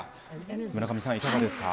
村上さん、いかがですか。